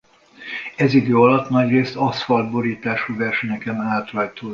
Ez idő alatt nagyrészt aszfalt borítású versenyeken állt rajthoz.